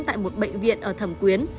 tại một bệnh viện ở thẩm quyến